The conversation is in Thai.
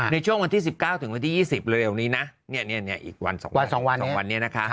ในช่วงวันที่๑๙ถึงวันที่๒๐เร็วนี้นะอีกวัน๒วัน